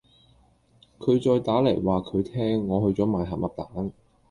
佢再打黎話佢聽我去左賣咸鴨蛋